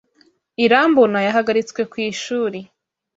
Irambona yahagaritswe ku ishuri.